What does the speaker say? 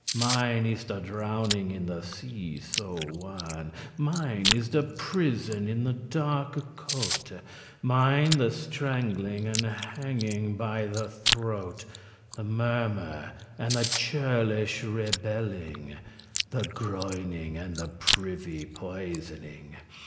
Mine is the drowning in the sea so wan; Mine is the prison in the darke cote*, *cell Mine the strangling and hanging by the throat, The murmur, and the churlish rebelling, The groyning*, and the privy poisoning.